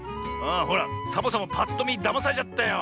ほらサボさんもぱっとみだまされちゃったよ。